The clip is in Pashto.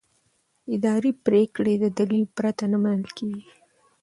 اداري پریکړې د دلیل پرته نه منل کېږي.